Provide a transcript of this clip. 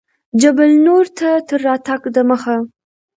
جبل النور ته تر راتګ دمخه.